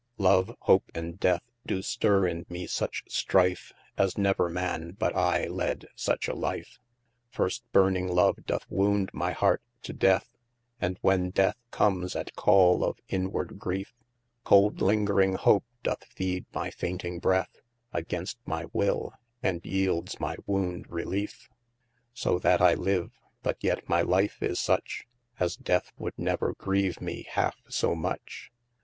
E>e, hope, and death, do stirre in me such strife, As never man but I led such a life. First burning love doth wound my hart to death, And when death comes at call of inward griefe, Colde lingering hope doth feede my fainting breath Against my will, and yeeldes my wound reliefs : So that I live, but yet my life is such, As death would never greve me halfe so much.